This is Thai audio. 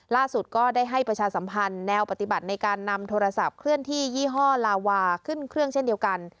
ล่าสุดก็ได้ให้ประชาสัมพันธ์แนวปฏิบัติในการนำโทรศัพท์เคลื่อนที่ยี่ห้อลาวาขึ้นเครื่องเช่นเดียวกัน